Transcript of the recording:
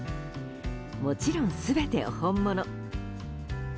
もちろん全て本物。